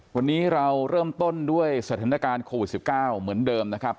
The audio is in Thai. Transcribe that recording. วันนี้เราเริ่มต้นด้วยสถานการณ์โควิด๑๙เหมือนเดิมนะครับ